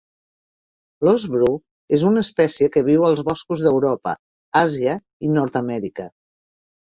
L'ós bru és una espècie que viu als boscos d'Europa, Àsia i Nord-amèrica.